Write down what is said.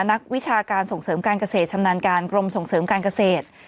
นักวิชาการส่งเสริมการเกษตรชำนาญการกรมส่งเสริมการเกษตร